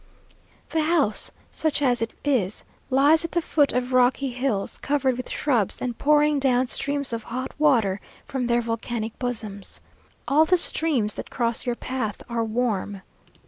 The house, such as it is, lies at the foot of rocky hills, covered with shrubs, and pouring down streams of hot water from their volcanic bosoms. All the streams that cross your path are warm.